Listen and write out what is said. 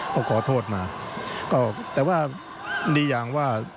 เพราะขอโทษมาแต่ว่าดีอย่างว่า